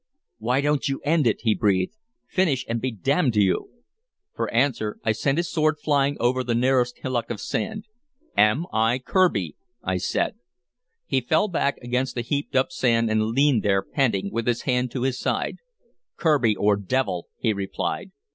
"Why don't you end it?" he breathed. "Finish and be d d to you!" For answer I sent his sword flying over the nearest hillock of sand. "Am I Kirby?" I said. He fell back against the heaped up sand and leaned there, panting, with his hand to his side. "Kirby or devil," he replied.